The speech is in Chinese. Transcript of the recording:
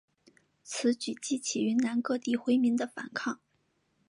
此举激起云南各地回民的反抗。